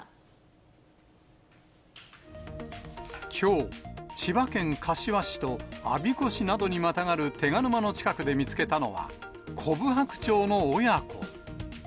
きょう、千葉県柏市と我孫子市などにまたがる手賀沼の近くで見つけたのは、コブハクチョウの親子。